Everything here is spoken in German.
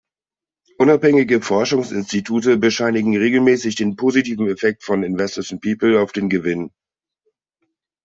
Unabhängige Forschungsinstitute bescheinigen regelmäßig den positiven Effekt von Investors in People auf den Gewinn.